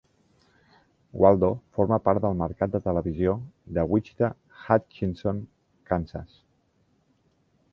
Waldo forma part del mercat de televisió de Wichita-Hutchinson, Kansas.